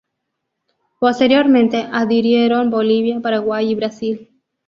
Posteriormente adhirieron Bolivia, Paraguay y Brasil.